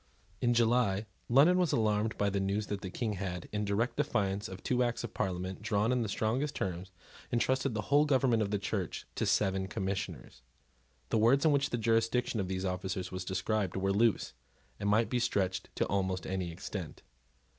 In July London was alarmed by the news that the King had, in direct defiance of two acts of Parliament drawn in the strongest terms, entrusted the whole government of the Church to seven Commissioners. The words in which the jurisdiction of these officers was described were loose, and might be stretched to almost any extent.